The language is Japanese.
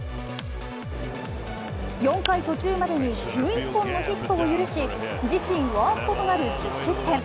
４回途中までに１１本のヒットを許し、自身ワーストとなる１０失点。